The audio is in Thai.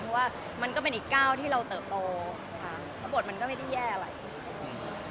เพราะว่ามันก็เป็นอีกก้าวที่เราเติบโตค่ะแล้วบทมันก็ไม่ได้แย่อะไร